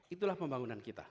itulah pembangunan kita